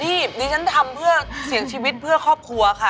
นี่ดิฉันทำเพื่อเสียงชีวิตเพื่อครอบครัวค่ะ